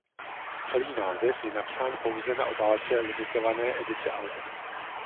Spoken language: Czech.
Celý název je napsán pouze na obálce limitované edice alba.